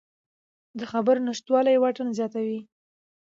د خبرو نشتوالی واټن زیاتوي